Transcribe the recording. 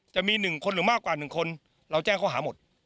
จะมี๑คนหรือมากกว่า๑คนเราแจ้งข้อหาหมด